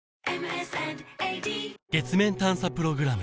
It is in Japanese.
月面探査プログラム